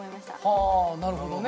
はあなるほどね。